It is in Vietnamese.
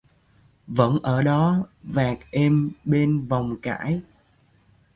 Vẫn ở đó, vạt êm bên vồng cải